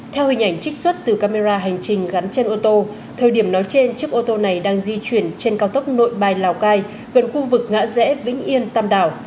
theo hình ảnh trích xuất từ camera hành trình gắn trên ô tô thời điểm nói trên chiếc ô tô này đang di chuyển trên cao tốc nội bài lào cai gần khu vực ngã rẽ vĩnh yên tam đảo